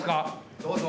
どうぞ。